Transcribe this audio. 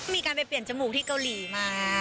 มีการไปเปลี่ยนจมูกที่เกาหลีมา